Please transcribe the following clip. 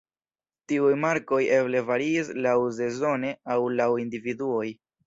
Tiuj markoj eble variis laŭsezone aŭ laŭ individuoj.